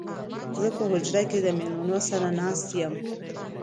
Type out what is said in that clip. زه په حجره کې د مېلمنو سره ناست يم